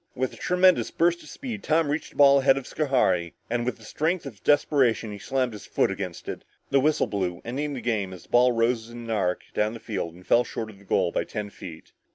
With a tremendous burst of speed, Tom reached the ball ahead of Schohari, and with the strength of desperation, he slammed his foot against it. The whistle blew ending the game as the ball rose in an arc down the field and fell short of the goal by ten feet.